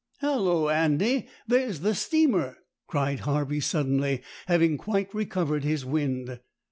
"Hallo, Andy! there's the steamer," cried Harvey suddenly, having quite recovered his wind.